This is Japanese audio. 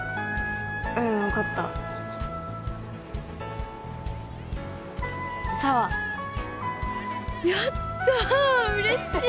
うん分かった紗羽やった嬉しい！